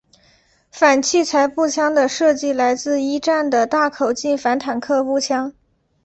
反器材步枪的设计来自一战的大口径反坦克步枪。